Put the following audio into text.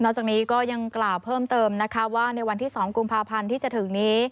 จากนี้ก็ยังกล่าวเพิ่มเติมนะคะว่าในวันที่๒กุมภาพันธ์ที่จะถึงนี้